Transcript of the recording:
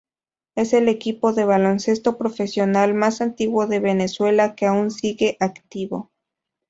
Es el equipo de baloncesto profesional más antiguo de Venezuela que aún sigue activo.